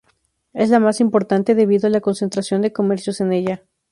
Es la más importante debido a la concentración de comercios en ella.